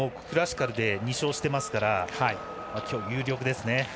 クラシカルで２勝していますから今日、有力ですね。